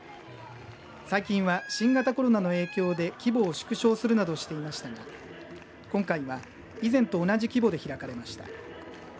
最近は、新型コロナの影響で規模を縮小するなどしていましたが今回は以前と同じ規模で開かれました。